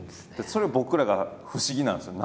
それ僕らが不思議なんですよ。